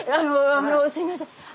あのすみません。